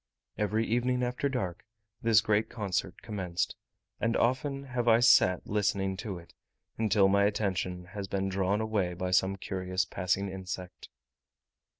Every evening after dark this great concert commenced; and often have I sat listening to it, until my attention has been drawn away by some curious passing insect.